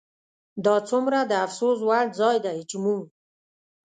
دا څومره د افسوس وړ ځای دی چې موږ